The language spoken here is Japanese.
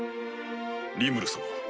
リムル様。